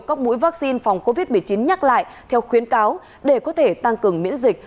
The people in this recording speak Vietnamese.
các mũi vaccine phòng covid một mươi chín nhắc lại theo khuyến cáo để có thể tăng cường miễn dịch